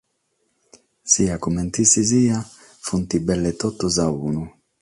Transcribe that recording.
Siat comente si siat, sunt belle totus a unu.